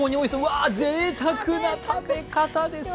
わー、ぜいたくな食べ方ですね。